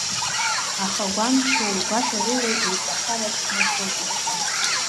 Аха гәамчлеи гәаҳәарылеи еиҵахарак смыхьроуп усҟан.